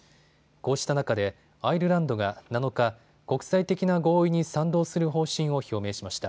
こうした中でアイルランドが７日、国際的な合意に賛同する方針を表明しました。